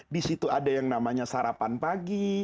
disitu ada yang namanya sarapan pagi